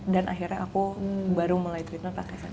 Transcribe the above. dan akhirnya aku baru mulai treatment pakai smp